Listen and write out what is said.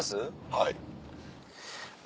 はい。